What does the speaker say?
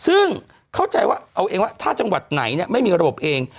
ซึ่งเข้าใจว่าเอาเองว่าถ้าจังหวัดไหนไม่มีระบบเอง